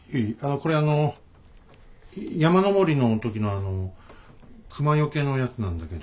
これあの山登りの時のあの熊よけのやつなんだけど。